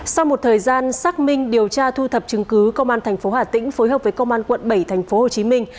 sau một thời gian xác minh điều tra thu thập chứng cứ công an tp hà tĩnh phối hợp với công an quận bảy tp hồ chí minh